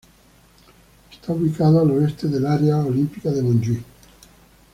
Está ubicado al oeste del "Área Olímpica de Montjuic".